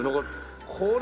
これ。